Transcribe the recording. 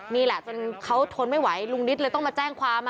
นี่แหละจนเขาทนไม่ไหวลุงนิดเลยต้องมาแจ้งความ